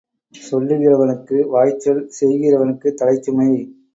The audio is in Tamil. சொல்லுகிறவனுக்கு வாய்ச்சொல், செய்கிறவனுக்கு தலைச்சுமை.